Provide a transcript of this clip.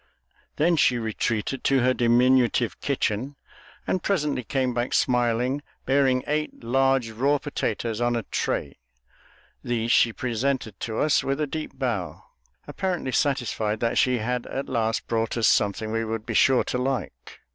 Then she retreated to her diminutive kitchen, and presently came back smiling, bearing eight large raw potatoes on a tray. These she presented to us with a deep bow, apparently satisfied that she had at last brought us something we would be sure to like.